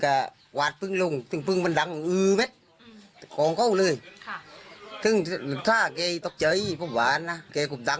ครั้งนี้ก็ไม่ยังมั่งอยู่กันนะครับ